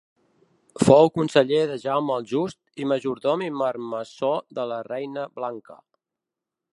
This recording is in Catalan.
Fou conseller de Jaume el Just i majordom i marmessor de la reina Blanca.